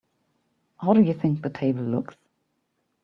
How do you think the table looks?